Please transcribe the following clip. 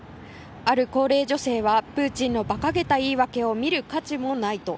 ある高齢女性はプーチンの馬鹿げた言い訳を見る価値もないと。